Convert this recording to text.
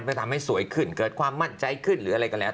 เพื่อทำให้สวยขึ้นเกิดความมั่นใจขึ้นหรืออะไรก็แล้ว